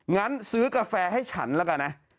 งั้นซื้อกาแฟให้ฉันแล้วกันนะ